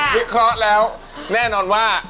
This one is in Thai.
วิเคราะห์แล้วแน่นอนว่า